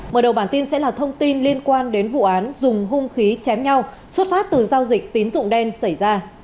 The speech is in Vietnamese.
mở đầu bản tin sẽ là thông tin liên quan đến vụ án dùng hung khí chém nhau xuất phát từ giao dịch tín dụng đen xảy ra